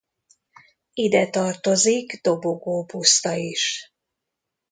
Ide tartozik Dobogó puszta is.